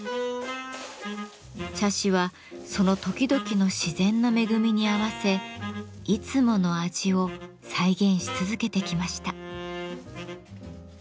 茶師はその時々の自然の恵みに合わせいつもの味を再現し続けてきました。